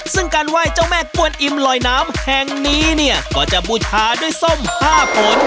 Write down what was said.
ซึ่งการไหว้เจ้าแม่กวนอิ่มลอยน้ำแห่งนี้เนี่ยก็จะบูชาด้วยส้ม๕ผล